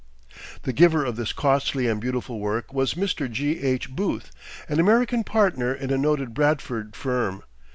The giver of this costly and beautiful work was Mr. G. H. Booth, an American partner in a noted Bradford firm.